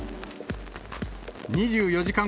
２４時間